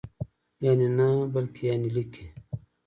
یعني نه بلکې یانې لیکئ!